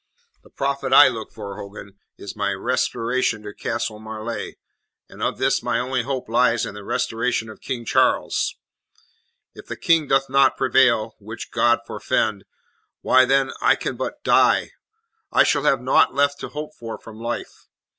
The profit I look for, Hogan, is my restoration to Castle Marleigh, and of this my only hope lies in the restoration of King Charles. If the King doth not prevail which God forfend! why, then, I can but die. I shall have naught left to hope for from life.